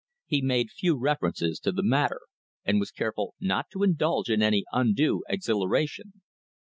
He made few references to the matter, and was careful not to indulge in any undue exhilaration.